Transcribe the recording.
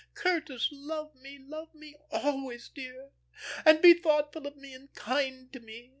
Curtis, love me, love me always, dear. And be thoughtful of me and kind to me.